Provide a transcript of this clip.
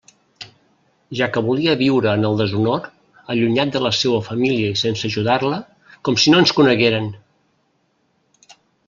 Ja que volia viure en el deshonor, allunyat de la seua família i sense ajudar-la..., com si no es conegueren!